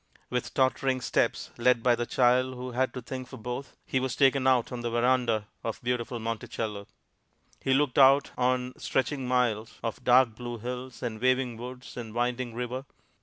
With tottering steps, led by the child who had to think for both, he was taken out on the veranda of beautiful Monticello. He looked out on stretching miles of dark blue hills and waving woods and winding river.